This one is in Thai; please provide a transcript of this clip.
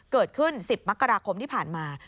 เกิดขึ้น๑๐มกราคมที่ผ่านมา